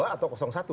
dua atau satu